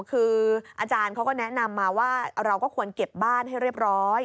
คืออาจารย์เขาก็แนะนำมาว่าเราก็ควรเก็บบ้านให้เรียบร้อย